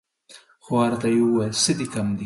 خوار ته يې ويل څه دي کم دي ؟